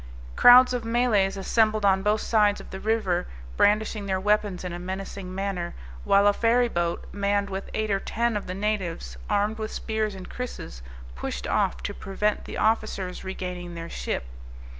Crowds of Malays assembled on both sides of the river, brandishing their weapons in a menacing manner, while a ferry boat, manned with eight or ten of the natives, armed with spears and krisses, pushed off to prevent the officers' regaining their ship.